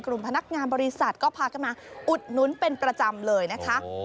พนักงานบริษัทก็พากันมาอุดหนุนเป็นประจำเลยนะคะ